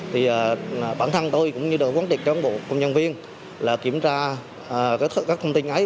thì bản thân tôi cũng như đồng quán tiệc trong bộ công nhân viên là kiểm tra các thông tin ấy